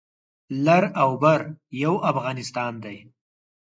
لر او بر یو افغانستان دی